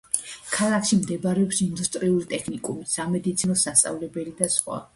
ქალაქში მდებარეობს ინდუსტრიული ტექნიკუმი, სამედიცინო სასწავლებელი და სხვა.